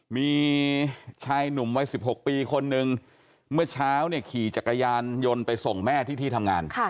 มีชายหนุ่มวัย๑๖ปีคนนึงเมื่อเช้าเนี่ยขี่จักรยานยนต์ไปส่งแม่ที่ที่ทำงาน